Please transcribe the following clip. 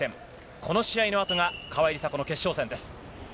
この試合のあとが川井梨紗子の決勝戦です。